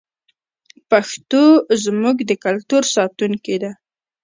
پښتو زموږ د کلتور ساتونکې ده.